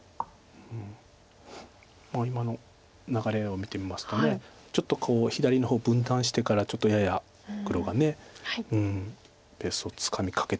今の流れを見てますとちょっと左の方分断してからちょっとやや黒がペースをつかみかけてるという。